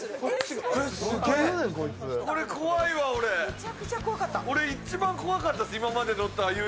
めちゃくちゃ怖かった。